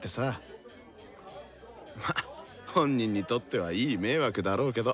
まあ本人にとってはいい迷惑だろうけど。